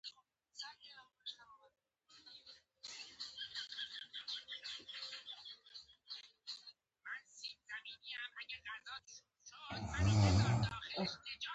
امريکايانو پر دې كلي هم بم غورځولي وو.